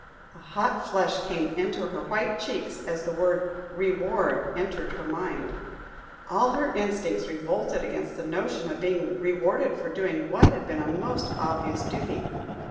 A hot flush came into her white cheeks as the word "reward" entered her mind; all her instincts revolted against the notion of being rewarded for doing what had been a most obvious duty.